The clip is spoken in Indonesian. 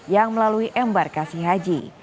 yang melalui embarkasi haji